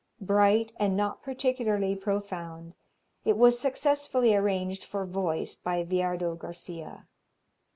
Bright and not particularly profound, it was successfully arranged for voice by Viardot Garcia.